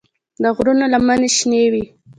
د غرونو لمنې شنه وې.